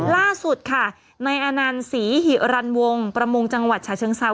ล่าสุดค่ะในอนันต์ศรีหิรันวงประมงจังหวัดฉะเชิงเซา